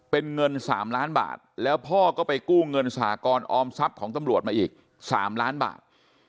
เป็นเงิน๓ล้านบาทแล้วพ่อก็ไปกู้เงินสหกรออมทรัพย์ของตำรวจมาอีก๓ล้านบาท